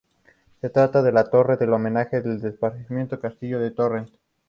Se trata de la torre del homenaje del desaparecido castillo de Torrent.